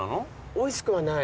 おいしくはない。